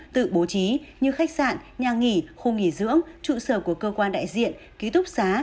tự bố trí như khách sạn nhà nghỉ khu nghỉ dưỡng trụ sở của cơ quan đại diện ký túc xá